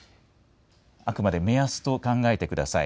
あくまで目安と考えてください。